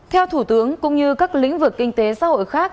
theo thủ tướng cũng như các lĩnh vực kinh tế xã hội khác